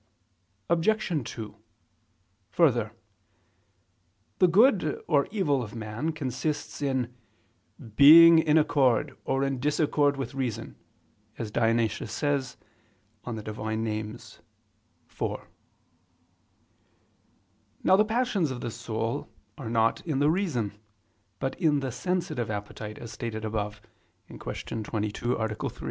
Obj. 2: Further, the good or evil of man consists in "being in accord, or in disaccord with reason," as Dionysius says (Div. Nom. iv). Now the passions of the soul are not in the reason, but in the sensitive appetite, as stated above (Q. 22, A. 3).